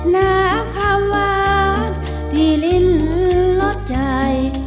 นับคำหวานที่ลิ้นลดใจ